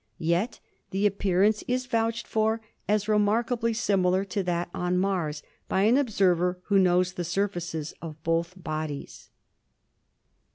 Yet the appearance is vouched for as remarkably similar to that on Mars by an observer who knows the surfaces of both bodies.